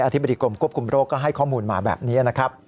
ธิบดีกรมควบคุมโรคก็ให้ข้อมูลมาแบบนี้นะครับ